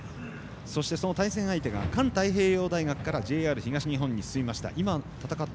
そしてその対戦相手が環太平洋大学からＪＲ東日本に進みました。